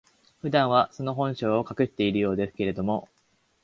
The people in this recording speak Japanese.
普段は、その本性を隠しているようですけれども、